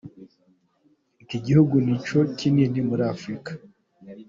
Iki gihugu nicyo kinini muri Afrika.